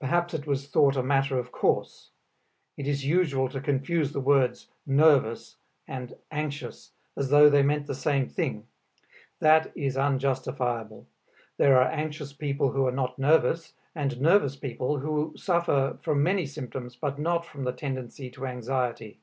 Perhaps it was thought a matter of course; it is usual to confuse the words "nervous" and "anxious" as though they meant the same thing. That is unjustifiable; there are anxious people who are not nervous, and nervous people who suffer from many symptoms, but not from the tendency to anxiety.